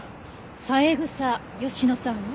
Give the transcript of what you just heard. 三枝佳乃さんを？